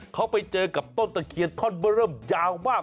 เขาไปเจอกับต้นตะเคียนท่อนเบอร์เริ่มยาวมาก